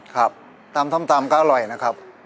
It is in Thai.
ครับตามก็อร่อยนะครับ